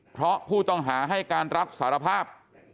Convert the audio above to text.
เพราะผู้ต้องหาให้การรับสารภาพ